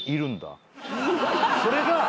それが。